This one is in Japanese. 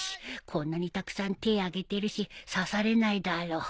こんなにたくさん手挙げてるし指されないだろう